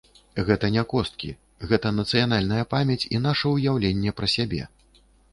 Гэта не косткі, гэта нацыянальная памяць і наша ўяўленне пра сябе.